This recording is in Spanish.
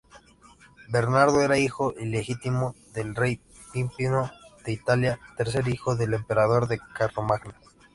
Bernardo era hijo ilegítimo del rey Pipino de Italia, tercer hijo del emperador Carlomagno.